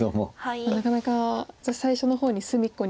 なかなか最初の方に隅っこにいく。